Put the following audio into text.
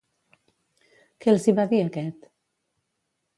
Què els hi va dir aquest?